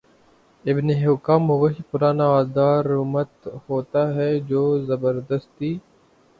ابن حکام وہی پرانا غدار امت ہوتا ہے جو زبردستی